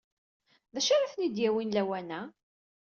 D acu ara ten-id-yawin lawan-a?